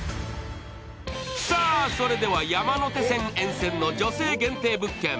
さぁ、それでは山手線沿線の女性限定物件。